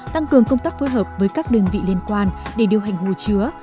tăng cường công tác phối hợp với các đơn vị liên quan để điều hành hồ chứa